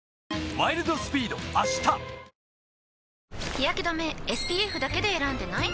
日やけ止めＳＰＦだけで選んでない？